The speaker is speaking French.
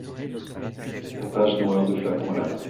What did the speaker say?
Un page noir, deux flacons à la main.